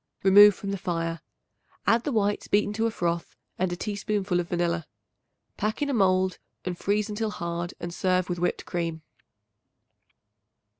Remove from the fire; add the whites beaten to a froth and a teaspoonful of vanilla. Pack in a mold and freeze until hard and serve with whipped cream.